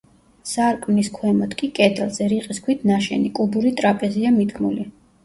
სარკმლის ქვემოთ კი, კედელზე, რიყის ქვით ნაშენი, კუბური ტრაპეზია მიდგმული.